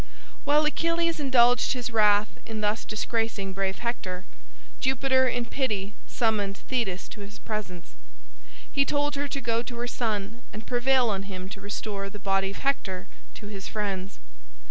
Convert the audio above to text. While Achilles indulged his wrath in thus disgracing brave Hector, Jupiter in pity summoned Thetis to his presence. He told her to go to her son and prevail on him to restore the body of Hector to his friends.